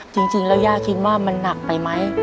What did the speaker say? จริงแล้วย่าคิดว่ามันหนักไปไหม